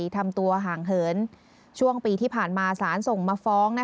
ทำไมทำกับแม่อย่างนี้